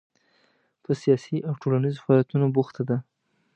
په سیاسي او ټولنیزو فعالیتونو بوخته ده.